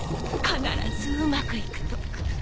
必ずうまくいくと。